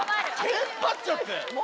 テンパっちゃって。